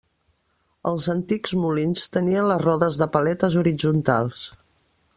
Els antics molins tenien les rodes de paletes horitzontals.